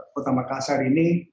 kota makassar ini